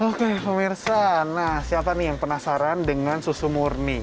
oke pemirsa nah siapa nih yang penasaran dengan susu murni